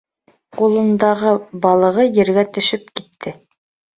Ҡулындағы балығы ергә төшөп китте.